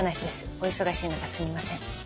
お忙しい中すみません。